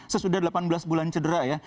sesudah delapan belas bulan cedera ya